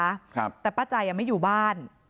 แต่พอเห็นว่าเหตุการณ์มันเริ่มเข้าไปห้ามทั้งคู่ให้แยกออกจากกัน